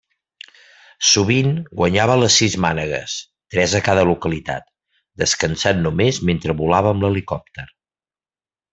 Sovint, guanyava les sis mànegues -tres a cada localitat-, descansant només mentre volava amb l'helicòpter.